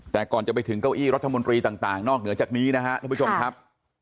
แต่ก่อนจะไปถึงเก้าอี้รัฐมนตรีต่างนอกเหนือจากนี้นะครับทุกผู้ชมครับ